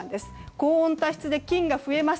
高温多湿で菌が増えます。